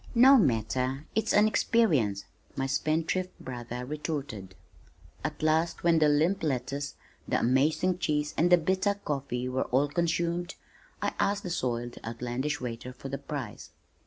"No matter, it's an experience," my spendthrift brother retorted. At last when the limp lettuce, the amazing cheese and the bitter coffee were all consumed, I asked the soiled, outlandish waiter the price.